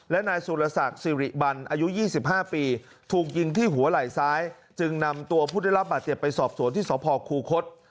และนายสุรศักดิ์สิริบันอายุ๒๕ปีถูกยิงที่หัวไหล่ซ้ายจึงนำตัวผู้ได้รับบาดเจ็บไปสอบสวนที่สพคูคศ